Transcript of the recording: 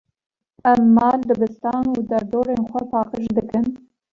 Em mal, dibistan û derdorên xwe paqij dikin.